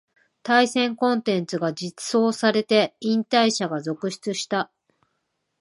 対戦コンテンツが実装されて引退者が続出した